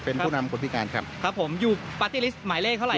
เป็นผู้นำคนพิการครับครับผมอยู่ปาร์ตี้ลิสต์หมายเลขเท่าไห